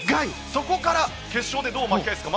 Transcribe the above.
そこから決勝でどう巻き返すか。